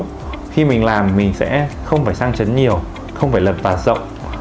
khi mình làm mình sẽ không phải sang chấn nhiều không phải lật và rộng